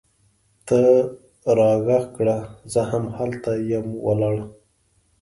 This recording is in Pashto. ته راږغ کړه! زه هم هلته یم ولاړه